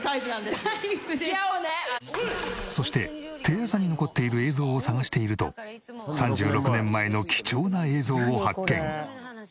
そしてテレ朝に残っている映像を探していると３６年前の貴重な映像を発見。